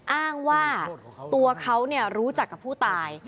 อ้างว่าตัวเขารู้จักกับผู้ตาย